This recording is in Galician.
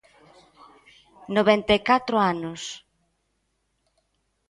Noventa e catro anos.